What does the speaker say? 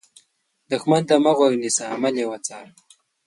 دښمن ته مه غوږ نیسه، عمل یې وڅار